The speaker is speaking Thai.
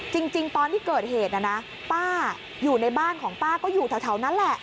จริงตอนที่เกิดเหตุนะนะป้าอยู่ในบ้านของป้าก็อยู่แถวนั้นแหละ